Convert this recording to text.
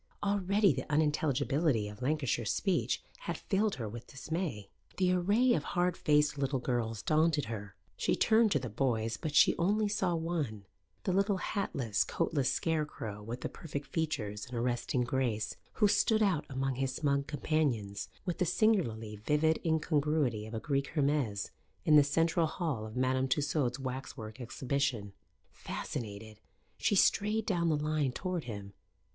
Already the unintelligibility of Lancashire speech had filled her with dismay. The array of hard faced little girls daunted her; she turned to the boys, but she only saw one the little hatless, coatless scarecrow with the perfect features And arresting grace, who stood out among his smug companions with the singularly vivid incongruity of a Greek Hermes in the central hall of Madame Tussaud's waxwork exhibition. Fascinated, she strayed down the line toward him.